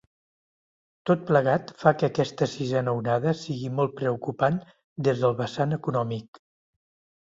Tot plegat fa que aquesta sisena onada sigui molt preocupant des del vessant econòmic.